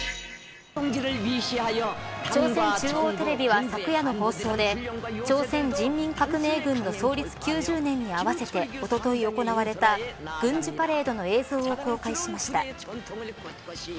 朝鮮中央テレビは、昨夜の放送で朝鮮人民革命軍の創立９０年に合わせておととい行われた軍事パレードの映像を公開しました。